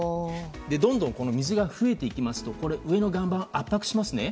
どんどん水が増えていきますと上の岩盤を圧迫しますね。